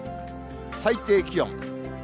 最低気温。